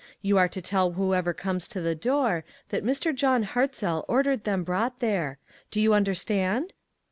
You are to tell whoever comes to the door that Mr. John Hartzell ordered them brought there. Do you understand?"